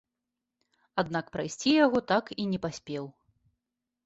Аднак прайсці яго так і не паспеў.